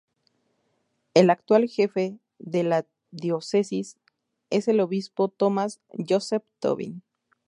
El actual jefe de la Diócesis es el Obispo Thomas Joseph Tobin.